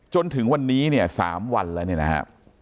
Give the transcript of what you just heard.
จนถึงวันนี้เนี่ย๓วันแล้วเนี่ยนะฮะ